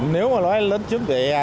nếu mà nói lấn chiếm vỉa hè